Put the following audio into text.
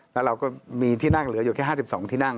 แล้วเราก็มีที่นั่งเหลืออยู่แค่๕๒ที่นั่ง